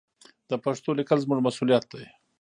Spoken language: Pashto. د پښتو لیکل زموږ مسوولیت دی.